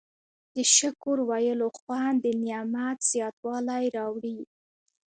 د شکر ویلو خوند د نعمت زیاتوالی راوړي.